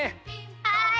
はい！